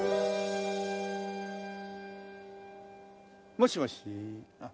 もしもし。